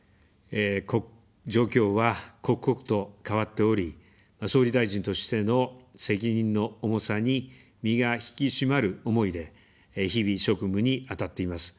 状況は刻々と変わっており、総理大臣としての責任の重さに、身が引き締まる思いで、日々、職務に当たっています。